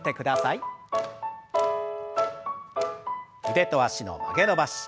腕と脚の曲げ伸ばし。